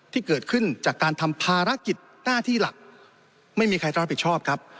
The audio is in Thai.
ที่เกิดขึ้นจากการทำภารกิจหน้าที่หลักไม่มีใครรับผิดชอบครับ